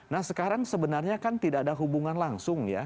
nah sekarang sebenarnya kan tidak ada hubungan langsung ya